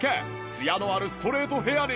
ツヤのあるストレートヘアに。